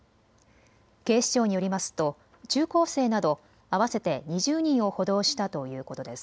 警視庁によりますと中高生など合わせて２０人を補導したということです。